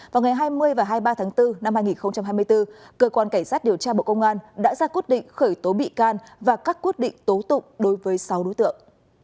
vào ngày hai mươi và hai mươi ba tháng bốn năm hai nghìn hai mươi bốn cơ quan cảnh sát điều tra bộ công an đã ra quyết định khởi tố bị can và các quyết định tố tụng đối với sáu đối tượng